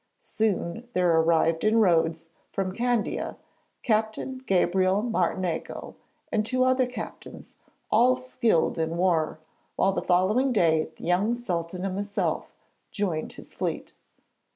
Soon there arrived in Rhodes, from Candia, Captain Gabriel Martinengo and two other captains, all skilled in war, while the following day the young Sultan himself joined his fleet.